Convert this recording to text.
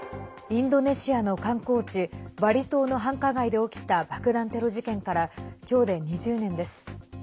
インドネシアの観光地バリ島の繁華街で起きた爆弾テロ事件から今日で２０年です。